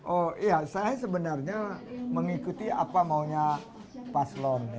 oh iya saya sebenarnya mengikuti apa maunya paslon